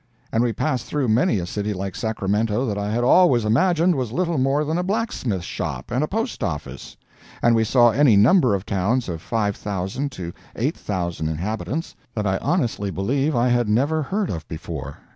And we passed through many a city like Sacramento that I had always imagined was little more than a blacksmith shop and a Post Office, and we saw any number of towns of 5,000 to 8,000 inhabitants that I honestly believe I had never heard of before.